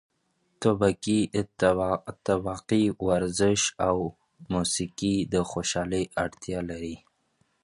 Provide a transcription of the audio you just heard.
طبیعت، ورزش او موسیقي د خوښۍ لپاره اړین دي.